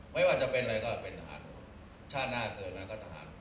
ไม่ว่าจะเป็นอะไรก็เป็นทหารชาติหน้าเกิดอะไรก็ทหาร